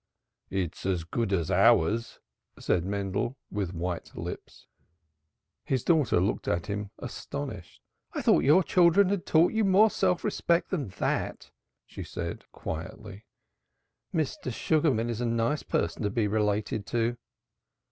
"It is as good as ours," said Mendel, with white lips. His daughter looked at him astonished. "I thought your children had taught you more self respect than that," she said quietly. "Mr. Sugarman is a nice person to be related to!"